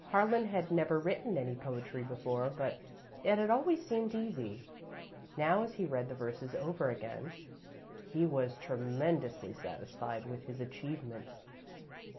Harlan had never written any poetry before, but it had always seemed easy. Now, as he read the verses over again, he was tremendously satisfied with his achievement.